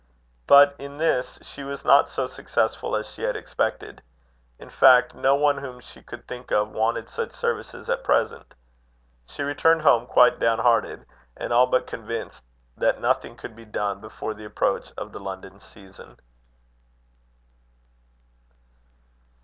But in this she was not so successful as she had expected. In fact, no one whom she could think of, wanted such services at present. She returned home quite down hearted, and all but convinced that nothing could be done before the approach of the London season.